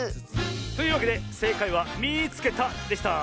というわけでせいかいは「みいつけた！」でした。